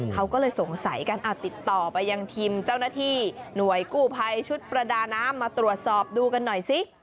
เขาก็เลยสงสัยกันติดต่อไปยังทีมเจ้าหน้าที่หน่วยกู้ภัยชุดประดาน้ำมาตรวจสอบดูกันหน่อยสิ